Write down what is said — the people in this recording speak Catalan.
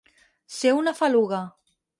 Ser una faluga.